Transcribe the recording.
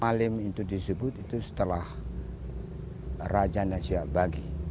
malim itu disebut itu setelah raja nasyabaghi